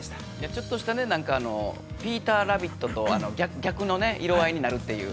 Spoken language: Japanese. ◆ちょっとした、なんか、ピーターラビットと逆のね色合いになるという。